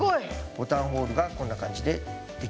ボタンホールがこんな感じで出来るんですね。